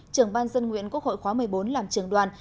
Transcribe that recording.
trưởng ban dân nguyễn quốc hội khóa một mươi bốn làm trưởng đoàn